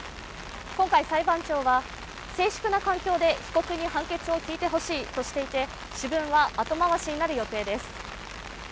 今回裁判長は静粛な環境で被告に判決を聞いてほしいとしていて、主文は後回しになる予定です。